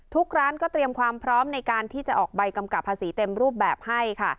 ทุกร้านก็เตรียมความพร้อมในการที่จะออกใบกำกับภาษีเต็มรูปแบบให้ค่ะ